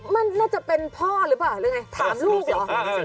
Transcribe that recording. มันน่าจะเป็นพ่อหรือเปล่าถามลูกหรอ